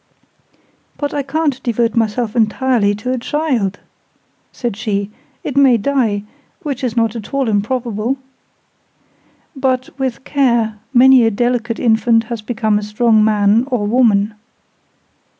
"But I can't devote myself entirely to a child," said she; "it may die—which is not at all improbable." "But, with care, many a delicate infant has become a strong man or woman."